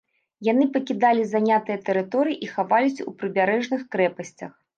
Яны пакідалі занятыя тэрыторыі і хаваліся ў прыбярэжных крэпасцях.